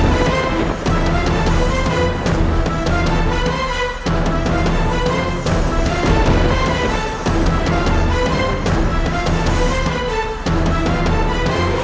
jadi aku harus lebih berhati hati